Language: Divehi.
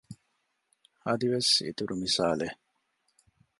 އަދިވެސް އިތުރު މިސާލެއް